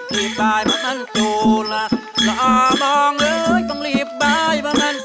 แหละอะบ้างเลยตรงหลีดไปบางนั้นโจย